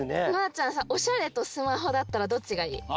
ちゃんさおしゃれとスマホだったらどっちがいい？